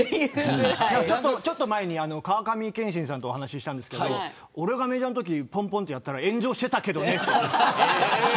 ちょっと前に川上憲伸さんとお話をしたんですけど俺がメジャーのときぽんぽんってやったら炎上してたけどねと言っていた。